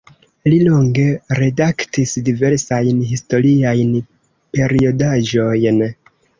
Li longe redaktis diversajn historiajn periodaĵojn.